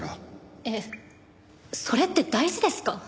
えっそれって大事ですか？